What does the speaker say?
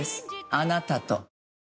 あなたと。